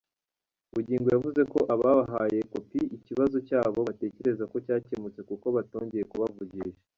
Bugingo yavuze ko ababahaye kopi ikibazo cyabo batekereza ko cyakemutse kuko batongeye kubavugisha.